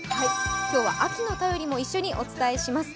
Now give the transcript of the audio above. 今日は秋の便りも一緒にお伝えします。